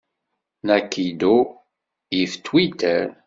Nakido yif Twitter.